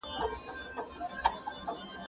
زه به اوږده موده موټر کار کر وم!!